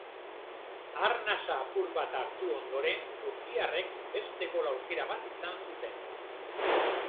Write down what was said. Arnasa apur bat hartu ondoren turkiarrek beste gol aukera bat izan zuten.